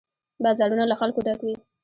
بازارونه له خلکو ډک وي.